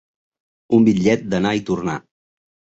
Un bitllet d'anar i tornar.